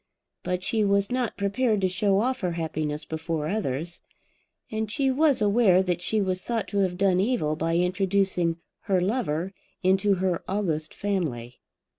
But she was not prepared to show off her happiness before others. And she was aware that she was thought to have done evil by introducing her lover into her august family.